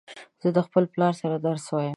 زه د خپل پلار سره درس وایم